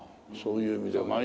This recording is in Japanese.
そういう意味では。